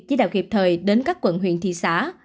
chỉ đạo kịp thời đến các quận huyện thị xã